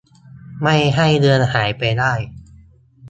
ไม่ให้เลือนหายไปได้